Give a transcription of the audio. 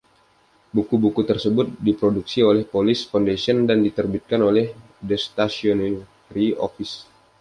Buku-buku tersebut diproduksi oleh Police Foundation dan diterbitkan oleh The Stationery Office.